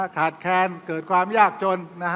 ขาดแคลนเกิดความยากจน